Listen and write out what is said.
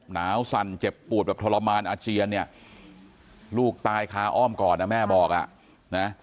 หนาวสั่นเจ็บปวดแบบทรมานอาเจียนเนี่ยลูกตายคาอ้อมก่อนนะแม่บอกอ่ะนะ